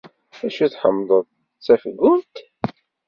Acu i tḥemmleḍ d tafeggunt?